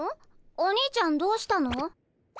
お兄ちゃんどうしたの？